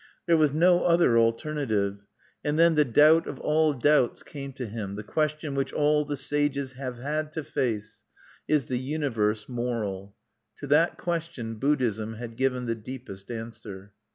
There was no other alternative. And then the doubt of all doubts came to him, the question which all the sages have had to face: Is the universe moral? To that question Buddhism had given the deepest answer.